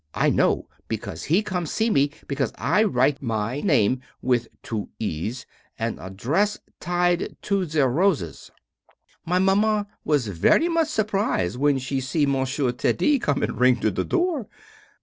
I know because he come see me, because I write my name (with two es) and adresse tied to the roses. My Maman was very much surprise when she see Monsieur Teddy come and ring to the door.